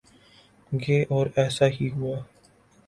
گے اور ایسا ہی ہوا۔